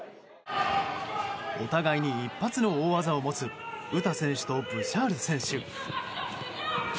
お互いに一発の大技を持つ詩選手とブシャール選手。